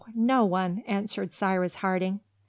no one!" answered Cyrus Harding.